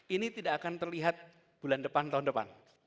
ini tidak akan terlihat bulan depan tahun depan